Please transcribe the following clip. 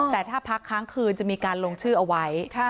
แต่ถ้าพักค้างคืนจะมีการลงชื่อเอาไว้